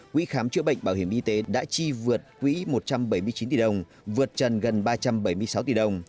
quỹ khám chữa bệnh bảo hiểm y tế đã chi vượt quỹ một trăm bảy mươi chín tỷ đồng vượt trần gần ba trăm bảy mươi sáu tỷ đồng